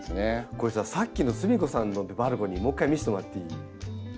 これささっきのすみこさんのバルコニーもう一回見せてもらっていい？